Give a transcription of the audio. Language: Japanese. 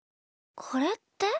これって？